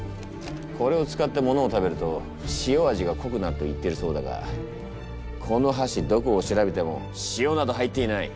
これを使ってものを食べると塩味がこくなると言っているそうだがこのはしどこを調べても塩など入っていない！